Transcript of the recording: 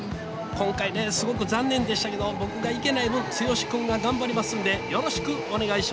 今回ねすごく残念でしたけど僕が行けない分剛君が頑張りますんでよろしくお願いします。